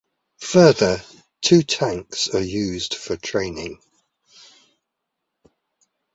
Further two tanks are used for training.